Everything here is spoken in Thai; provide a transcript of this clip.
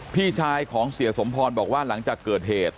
พี่ชายของเสียสมพรบอกว่าหลังจากเกิดเหตุ